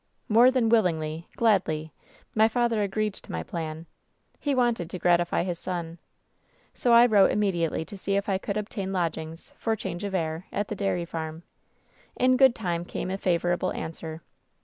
"More than willingly, gladly, my father agreed to my plan. He wanted to gratify his son. So I wrote imme diately to see if I could obtain lodgings, 'for change of air,' at the dairy farm. In good time came a favorable answer.